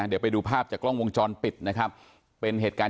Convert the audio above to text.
เดี๋ยวไปดูภาพจากกล้องวงจรปิดนะครับเป็นเหตุการณ์